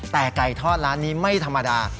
แต่ไก่ทอดร้านนี้ไม่ธรรมดา